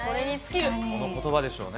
このことばでしょうね。